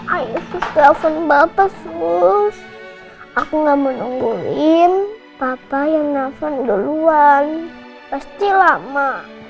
ayo sus telepon papa sus aku gak menungguin papa yang telepon duluan pasti lama